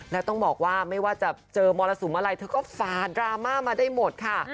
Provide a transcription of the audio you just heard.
แล้วต้องบอกว่าไม่ว่าจะเจอมรสุมอะไรเธอก็ฝาดราม่ามาได้หมดค่ะ